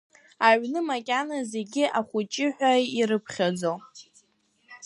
Аҩны макьана зегьы ахәыҷыҳәа ирыԥхьаӡо.